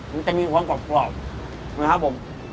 มันจะมีความกรอบนะครับผม